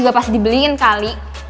lah asa lo